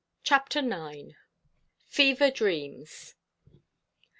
CHAPTER IX. FEVER DREAMS.